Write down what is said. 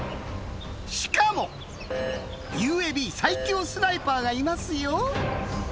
しかもＵＡＢ最強スナイパーがいますよ。